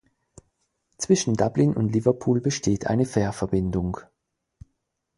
Zwischen Dublin und Liverpool besteht eine Fährverbindung.